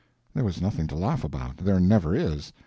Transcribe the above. (There was nothing to laugh about; there never is.